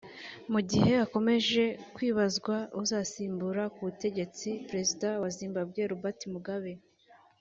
Mu gihe hakomeje kwibazwa uzasimbura ku butegetsi Perezida wa Zimbabwe Robert Mugabe